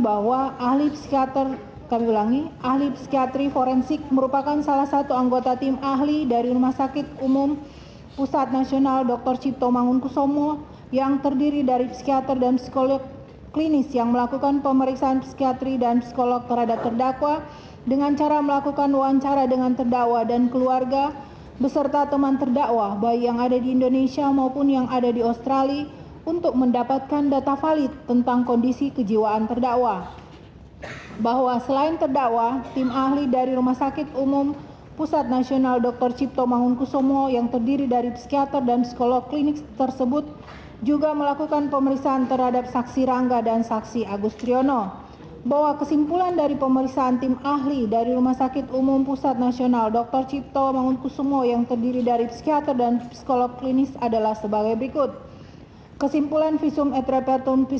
bahwa para ahli toksikologi forensik juga telah menerangkan tentang waktu dimasukkan racun cyanida ke dalam minuman vietnam ice coffee